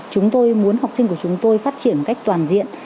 chúng tôi muốn học sinh của chúng tôi phát triển một cách toàn diện